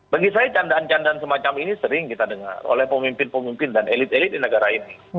bagi saya candaan candaan semacam ini sering kita dengar oleh pemimpin pemimpin dan elit elit di negara ini